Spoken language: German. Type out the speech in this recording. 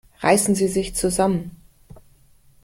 Reißen Sie sich zusammen!